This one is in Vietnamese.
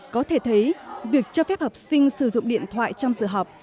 có thể thấy việc cho phép học sinh sử dụng điện thoại trong giờ học